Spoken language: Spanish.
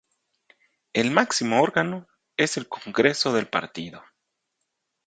El máximo órgano es el congreso del partido.